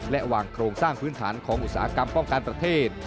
และวางโครงสร้างพื้นฐานของอุตสาหกรรมป้องกันประเทศ